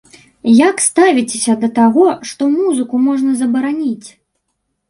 Як ставіцеся да таго, што музыку можна забараніць?